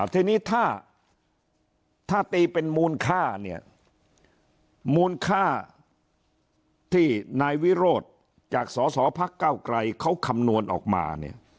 ทีนี้ถ้าตีเป็นมูลค่ามูลค่าที่นายวิโรธจากสสพเก้าไกรเขาคำนวณออกมา